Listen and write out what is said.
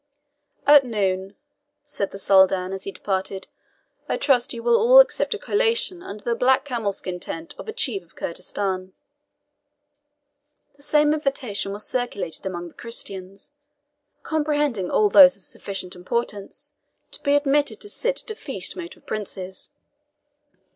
"At noon," said the Soldan, as he departed, "I trust ye will all accept a collation under the black camel skin tent of a chief of Kurdistan." The same invitation was circulated among the Christians, comprehending all those of sufficient importance to be admitted to sit at a feast made for princes.